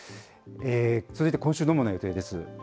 続いて今週の主な予定です。